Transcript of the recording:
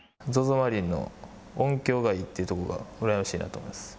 マリンの音響がいいというところが、うらやましいなと思います。